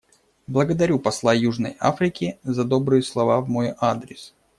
Благодарю посла Южной Африке за добрые слова в мой адрес.